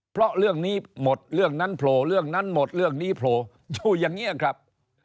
เพราะเรื่องนี้หมดเรื่องนั้นโผล่เรื่องนั้นหมดเรื่องนี้โผล่อยู่อย่างนี้ครับ